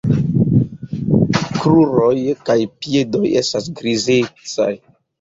Kruroj kaj piedoj estas grizecaj.